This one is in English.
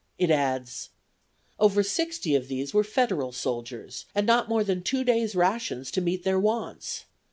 It adds: "Over sixty of these were Federal soldiers, and not more than two days' rations to meet their wants.